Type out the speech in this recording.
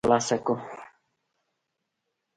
یا دا ښځه خلاصه کوم.